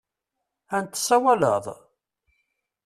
Ad n-tsawaleḍ?